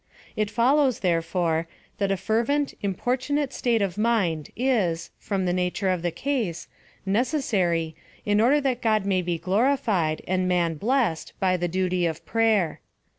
It follows, therefore, that a fervent, importunate state of mind, is, from the nature of the case, necessary, in order that God may be glorified, and man blessed, by the duty of prayer.